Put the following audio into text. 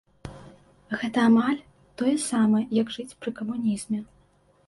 Гэта амаль тое самае, як жыць пры камунізме.